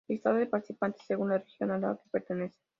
Listado de participantes según la región a la que pertenecen.